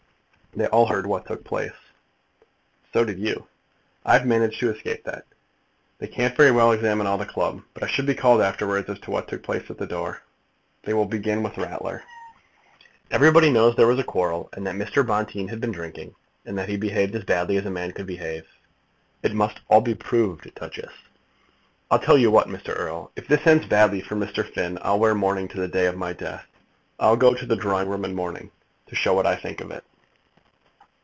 They all heard what took place." "So did you?" "I have managed to escape that. They can't very well examine all the club. But I shall be called afterwards as to what took place at the door. They will begin with Ratler." "Everybody knows there was a quarrel, and that Mr. Bonteen had been drinking, and that he behaved as badly as a man could behave." "It must all be proved, Duchess." "I'll tell you what, Mr. Erle. If, if, if this ends badly for Mr. Finn I'll wear mourning to the day of my death. I'll go to the Drawing Room in mourning, to show what I think of it."